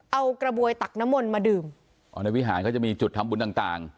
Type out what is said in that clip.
เอากระบวยตักน้ำมนต์มาดื่มอ๋อในวิหารเขาจะมีจุดทำบุญต่างต่าง